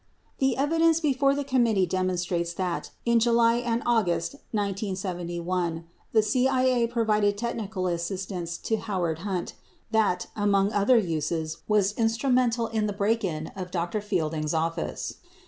] The evidence before the committee demonstrates that, in July August 1971, the CIA provided technical assistance to Howard Hunt that, among other uses, was instrumental in the break in of Dr. Fielding's office.